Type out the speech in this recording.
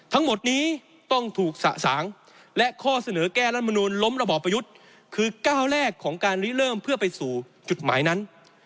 ทั้งหมดนี้ต้องถูกสะสางและข้อเสนอแก้รัฐมนูลล้มระบอบประยุทธ์คือก้าวแรกของการรีเริ่มเพื่อไปสู่จุดหมายนั้น